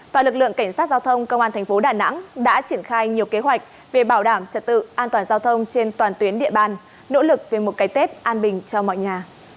toàn lực lượng cảnh sát giao thông công an thành phố đà nẵng đã triển khai nhiều kế hoạch về bảo đảm trật tự an toàn giao thông trên toàn tuyến địa bàn nỗ lực về một cái tết an bình cho mọi nhà